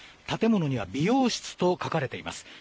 建物には美容室と書かれています。